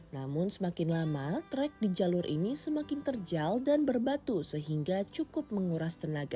namun semakin lama trek di jalur ini semakin terjal dan berbatu sehingga cukup menguras tenaga